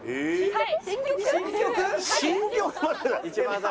はい！